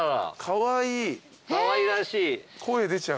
かわいらしい。